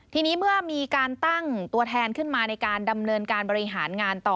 ทีนี้เมื่อมีการตั้งตัวแทนขึ้นมาในการดำเนินการบริหารงานต่อ